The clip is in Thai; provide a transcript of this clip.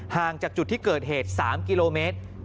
ห่างจากจุดที่เกิดเหตุ๓กิโลเมตร